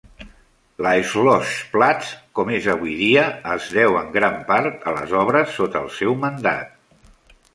La "Schlossplatz", com és avui dia, es deu en gran part a les obres sota el seu mandat.